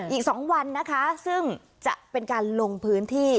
อีก๒วันนะคะซึ่งจะเป็นการลงพื้นที่